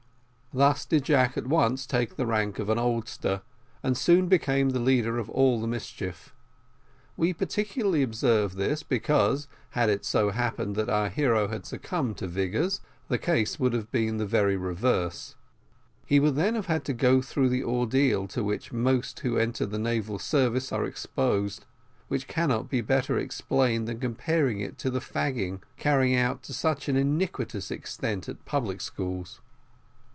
Thus did Jack at once take the rank of an oldster, and soon became the leader of all the mischief. We particularly observe this, because, had it so happened that our hero had succumbed to Vigors, the case would have been the very reverse. He then would have had to go through the ordeal to which most who enter the naval service are exposed, which cannot be better explained than by comparing it to the fagging carried to such an iniquitous extent in public schools.